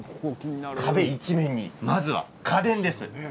壁一面に、まずは家電です。